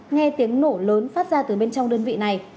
nghe tiếng nổ lớn phát ra từ bên trong đơn vị này